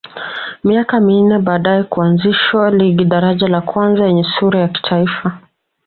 Miaka minne baadae kuanzishwa ligi daraja la kwanza yenye sura ya kitaifa